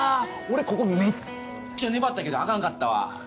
俺ここめっちゃ粘ったけどあかんかったわ。